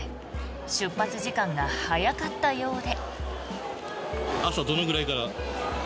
出発時間が早かったようで。